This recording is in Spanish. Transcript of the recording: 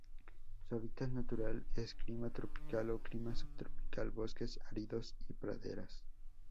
Su hábitat natural es: Clima tropical o Clima subtropical, bosques áridos y praderas.